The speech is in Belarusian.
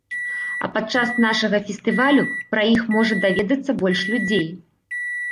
А падчас нашага фестывалю пра іх можа даведацца больш людзей.